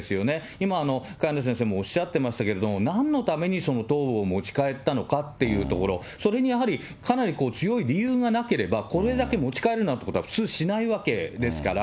今、萱野先生もおっしゃってましたけれども、なんのために頭部を持ち帰ったのかっていうところ、それにやはりかなり強い理由がなければ、これだけ持ち帰るなんてことは普通しないわけですから。